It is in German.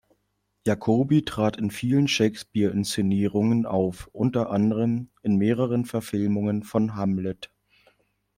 Jacobi trat in vielen Shakespeare-Inszenierungen auf, unter anderem in mehreren Verfilmungen von "Hamlet".